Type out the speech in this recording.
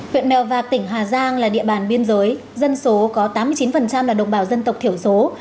huyện mèo vạc tỉnh hà giang là địa bàn biên giới dân số có tám mươi chín là đồng bào dân tộc thiểu số